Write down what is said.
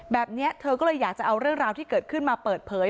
แบบนี้เธอก็เลยอยากจะเอาเรื่องราวที่เกิดขึ้นมาเปิดเผย